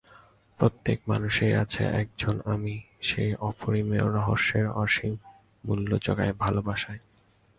প্রত্যেক মানুষেই আছে একজন আমি, সেই অপরিমেয় রহস্যের অসীম মূল্য জোগায় ভালোবাসায়।